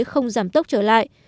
không giảm tốc trở lại